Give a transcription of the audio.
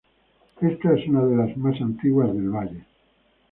Esta es una de la más antiguas del valle.